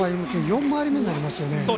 ４回り目になりますよね。